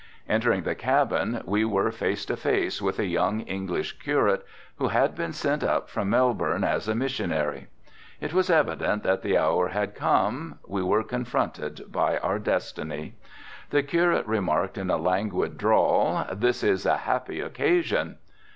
Entering the cabin we were face to face with a young English curate who had been sent up from Melbourne as a missionary. It was evident that the hour had come, we were confronted by our destiny. The curate remarked in a languid drawl, "This is a happy occasion."